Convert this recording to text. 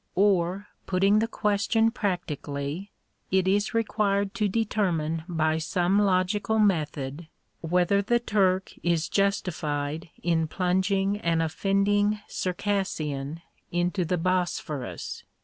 Or, putting the question practically, it is required to determine by some logical method, whether the Turk is justified in plunging an offending Circassian into the Bosphorus?